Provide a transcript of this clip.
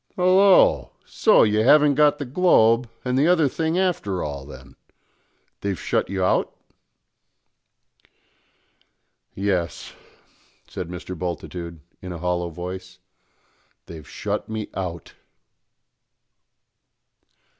"Hallo! so you haven't got the Globe and the other thing after all, then; they've shut you out?" "Yes," said Mr. Bultitude in a hollow voice; "they've shut me out!"